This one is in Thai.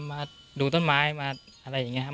มาดูต้นไม้มาอะไรอย่างนี้ครับ